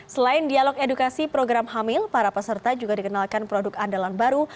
selain dialog edukasi program hamil para peserta juga dikenalkan produk andalan baru